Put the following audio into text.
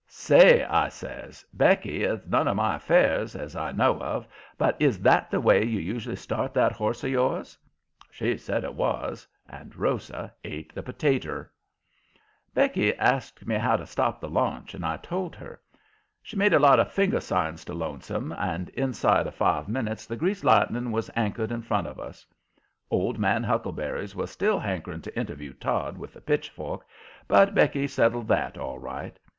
"Say," I says, "Becky, it's none of my affairs, as I know of, but is that the way you usually start that horse of yours?" She said it was. And Rosa ate the potater. Becky asked me how to stop the launch, and I told her. She made a lot of finger signs to Lonesome, and inside of five minutes the Greased Lightning was anchored in front of us. Old man Huckleberries was still hankering to interview Todd with the pitchfork, but Becky settled that all right.